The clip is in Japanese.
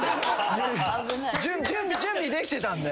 準備できてたんで。